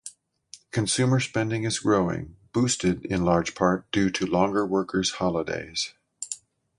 Consumer spending is growing, boosted, in large part, due to longer workers' holidays.